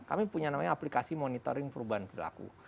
kami punya namanya aplikasi monitoring perubahan perilaku